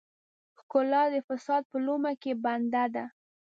ښکلا د فساد په لومه کې بنده ده.